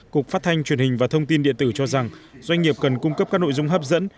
cục phát thanh truyền hình và thông tin điện tử cho rằng doanh nghiệp cần cung cấp các nội dung hấp dẫn